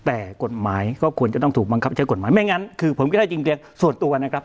แต่กฎหมายก็ควรจะต้องถูกบังคับใช้กฎหมายไม่งั้นคือผมก็ได้จริงส่วนตัวนะครับ